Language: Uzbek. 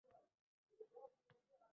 -Tonmayman.